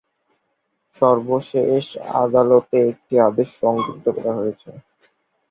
সর্বশেষে আদালতের একটি আদেশ সংযুক্ত করা হয়েছে।